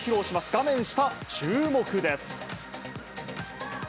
画面下、注目です。